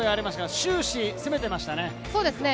終始、攻めていましたね。